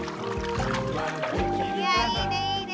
いやいいねいいね。